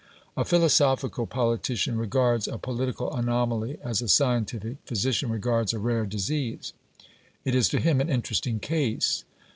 A philosophical politician regards a political anomaly as a scientific physician regards a rare disease it is to him an "interesting case".